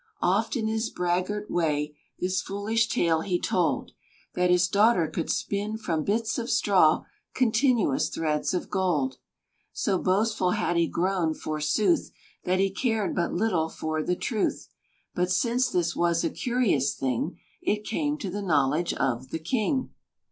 Oft in his braggart way This foolish tale he told, That his daughter could spin from bits of straw Continuous threads of gold! So boastful had he grown, forsooth, That he cared but little for the truth: But since this was a curious thing It came to the knowledge of the king.